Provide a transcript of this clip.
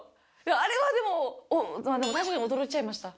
あれはでも、でも単純に驚いちゃいました。